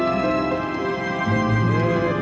bapak jemput dev